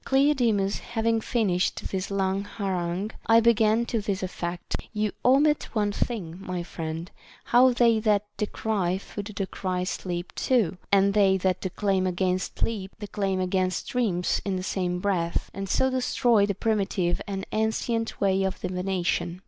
Cleodemus having finished this long harangue, I began to this effect. You omit one thing, my friend, how they that decry food decry sleep too, and they that declaim against sleep declaim against dreams in the same breath, and so destroy the primitive and ancient way of divination.